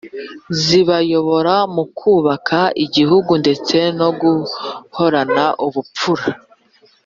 zibayobora mu kubaka igihugu ndetse no guhorana ubupfura.